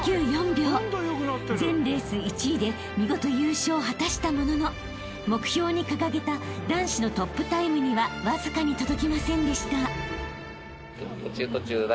［全レース１位で見事優勝を果たしたものの目標に掲げた男子のトップタイムにはわずかに届きませんでした］